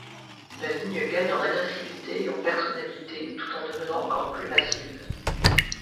La ligne gagne en agressivité et en personnalité, tout en devenant encore plus massive.